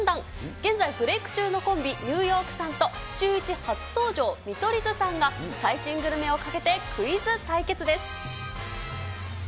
現在ブレーク中のコンビ、ニューヨークさんと、シューイチ初登場、見取り図さんが最新グルメをかけてクイズ対決です。